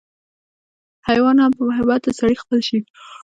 حېوان هم پۀ محبت د سړي خپل شي